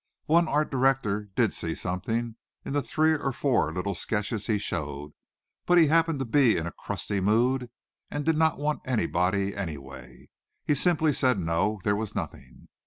One art director did see something in the three or four little sketches he showed, but he happened to be in a crusty mood, and did not want anybody anyway. He simply said no, there was nothing.